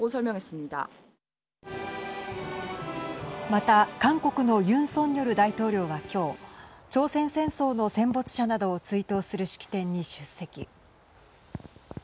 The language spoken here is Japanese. また、韓国のユン・ソンニョル大統領は、きょう朝鮮戦争の戦没者などを追悼する式典に出席。